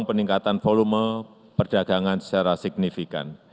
peningkatan volume perdagangan secara signifikan